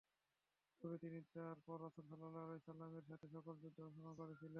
তবে তিনি তারপর রাসূলুল্লাহ সাল্লাল্লাহু আলাইহি ওয়াসাল্লামের সাথে সকল যুদ্ধে অংশগ্রহণ করেছিলেন।